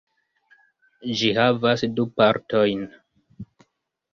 Ĝi havas du partojn.